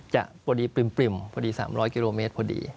พอดีปริ่มพอดี๓๐๐กิโลเมตรพอดี